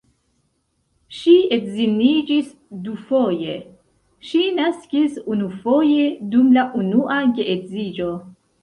Ŝi edziniĝis dufoje, ŝi naskis unufoje dum la unua geedziĝo.